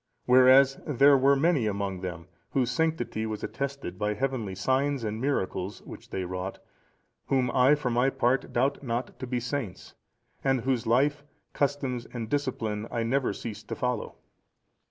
Whereas there were many among them, whose sanctity was attested by heavenly signs and miracles which they wrought; whom I, for my part, doubt not to be saints, and whose life, customs, and discipline I never cease to follow."